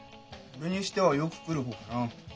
俺にしてはよく来る方かな。